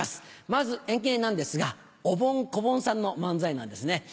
まず演芸なんですがおぼん・こぼんさんの漫才なんですね。